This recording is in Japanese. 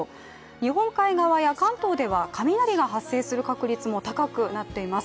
日本海側や関東では雷が発生する確率も高くなっています。